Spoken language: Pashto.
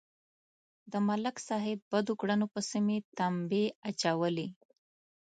د ملک صاحب بدو کړنو پسې مې تمبې اچولې.